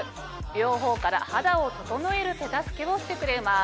両方から肌を整える手助けをしてくれます。